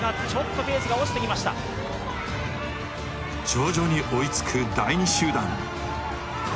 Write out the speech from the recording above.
徐々に追いつく第２集団。